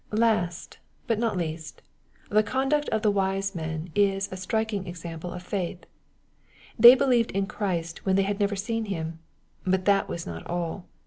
Last, but not least, the conduct of the wise men is a striking example of faith. They believed in Christ when they had never seen Him ;— but that was not all.